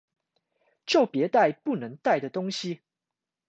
就別帶不能帶的東西！